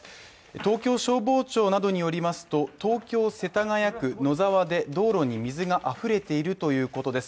東京消防庁などによりますと、東京世田谷区野沢で道路に水があふれているということです。